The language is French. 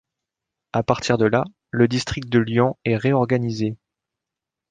À partir de là, le district de Lyon est réorganisé.